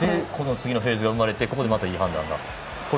次のフェーズが生まれてこれもまたいい判断が。